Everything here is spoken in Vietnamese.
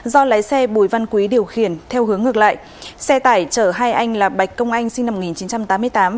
do lái xe bùi văn quý điều khiển theo hướng ngược lại xe tải chở hai anh là bạch công anh sinh năm một nghìn chín trăm tám mươi tám